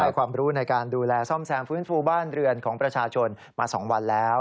ความรู้ในการดูแลซ่อมแซมฟื้นฟูบ้านเรือนของประชาชนมา๒วันแล้ว